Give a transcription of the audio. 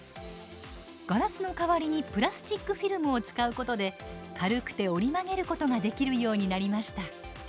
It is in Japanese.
ガラスの代わりにプラスチックフィルムを使うことで軽くて折り曲げることができるようになりました。